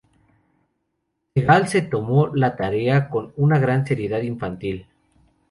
Segal se tomó la tarea con una gran seriedad infantil.